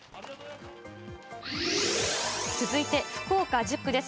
続いて、福岡１０区です。